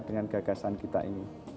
dengan gagasan kita ini